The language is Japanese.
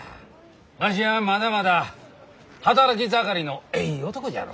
わしはまだまだ働き盛りのえい男じゃろうが。